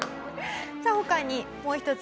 さあ他にもう１つ。